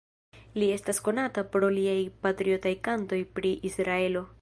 Li estas konata pro liaj patriotaj kantoj pri Israelo.